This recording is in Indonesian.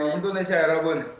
indonesia ya rabun